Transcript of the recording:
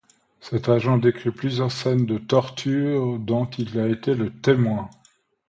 Cet agent décrit plusieurs scènes de tortures dont il a été le témoin.